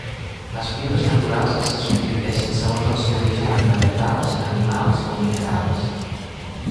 Les fibres naturals se subdivideixen segons el seu origen en vegetals, animals o minerals.